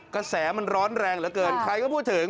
กระแสมันร้อนแรงเหลือเกินใครก็พูดถึง